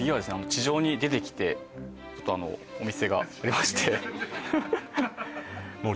地上に出てきてちょっとあのお店がありましてもう